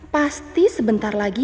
pasti sebentar lagi